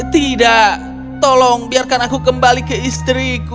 tidak tolong biarkan aku kembali ke istriku